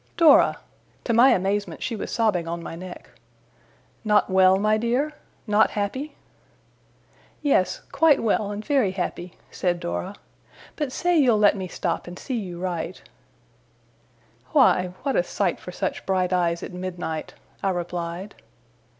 'Dora!' To my amazement she was sobbing on my neck. 'Not well, my dear! not happy!' 'Yes! quite well, and very happy!' said Dora. 'But say you'll let me stop, and see you write.' 'Why, what a sight for such bright eyes at midnight!' I replied.